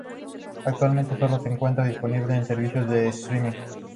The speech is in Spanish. Actualmente sólo se encuentra disponible en servicios de streaming.